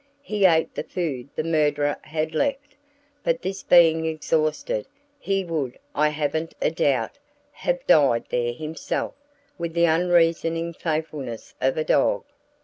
He ate the food the murderer had left, but this being exhausted, he would, I haven't a doubt, have died there himself with the unreasoning faithfulness of a dog.